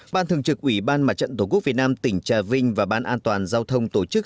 ban thường trực ủy ban mặt trận tổ quốc việt nam tỉnh trà vinh và ban an toàn giao thông tổ chức